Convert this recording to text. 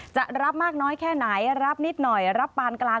จะรับมากน้อยแค่ไหนรับนิดหน่อยรับปานกลาง